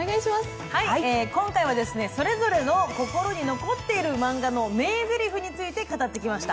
今回はそれぞれの心に残っているマンガの名ぜりふについて語ってきました。